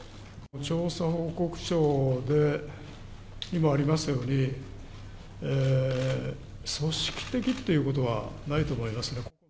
調査報告書にもありましたように、組織的っていうことはないと思いますね。